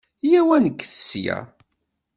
Yya-w ad nekket ssya.